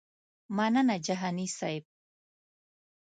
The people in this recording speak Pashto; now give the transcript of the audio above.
مننه جهاني صیب.